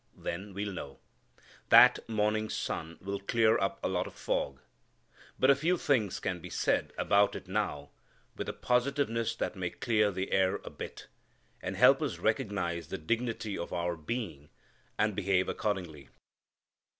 Then we'll know. That morning's sun will clear up a lot of fog. But a few things can be said about it now with a positiveness that may clear the air a bit, and help us recognize the dignity of our being, and behave accordingly.